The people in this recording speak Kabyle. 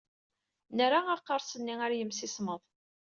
Nerra aqareṣ-nni ɣer yimsismeḍ.